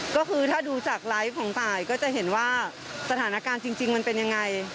ก็คือถ้าดูจากไลฟ์ของตายก็จะเห็นว่าสถานการณ์จริงมันเป็นยังไง